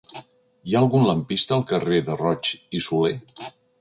Hi ha algun lampista al carrer de Roig i Solé?